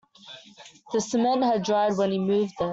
The cement had dried when he moved it.